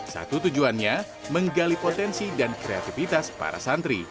satu tujuannya menggali potensi dan kreativitas para santri